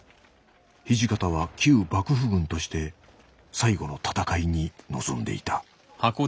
土方は旧幕府軍として最後の戦いに臨んでいた。